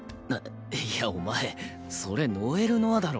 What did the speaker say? いやお前それノエル・ノアだろ。